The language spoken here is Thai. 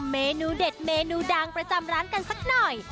เมนูเด็ดเมนูดังประจำร้านกันสักหน่อย